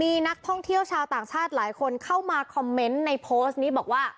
มีนักท่องเที่ยวชาวต่างชาติหลายคนเข้ามาคอมเมนต์ในโพสต์นี้บอกว่า